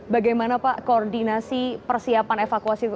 bagaimana pak koordinasi persiapan evakuasi